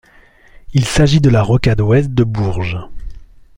Il s'agit de la rocade ouest de Bourges.